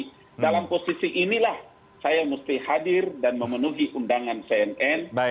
nah dalam posisi inilah saya mesti hadir dan memenuhi undangan cnn